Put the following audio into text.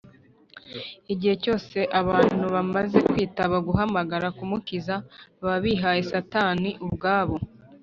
igihe cyose abantu banze kwitaba guhamagara k’umukiza, baba bihaye satani ubwabo